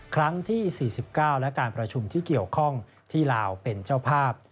ครั้งที่๔๙และการประชุมที่เกี่ยวข้องที่ลาวเป็นเจ้าภาพ